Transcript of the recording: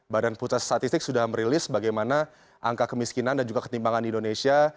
badan pusat statistik sudah merilis bagaimana angka kemiskinan dan juga ketimbangan di indonesia